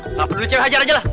kenapa dulu cewek hajar aja lah